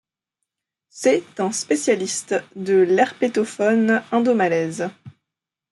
C'est un spécialiste de l'herpétofaune indomalaise.